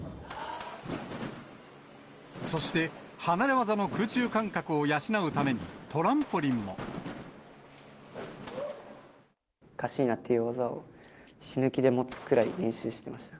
そして離れ技の空中感覚を養うたカッシーナという技を死ぬ気で持つくらい練習してました。